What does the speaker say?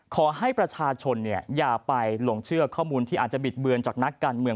ขอให้ประชาชนอย่าไปหลงเชื่อข้อมูลที่อาจจะบิดเบือนจากนักการเมือง